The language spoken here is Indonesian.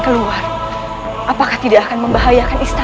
keluar apakah tidak akan membahayakan istana